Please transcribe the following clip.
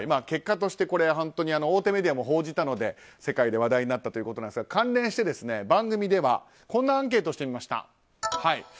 結果として大手メディアも報じたので世界で話題になったんですが関連して番組ではこんなアンケートをしてみました。